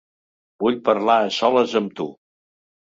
Vull parlar a soles amb tu.